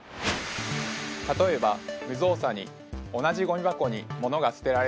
例えば無造作に同じゴミ箱に物が捨てられたとします。